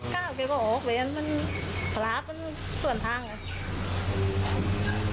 คือวันละที่ต่างปัจจนน่าเล่นไม่ใช้